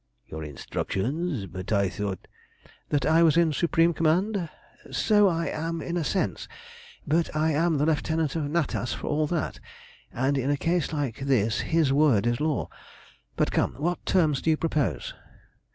"Your instructions! But I thought" "That I was in supreme command. So I am in a sense, but I am the lieutenant of Natas for all that, and in a case like this his word is law. But come, what terms do you propose?"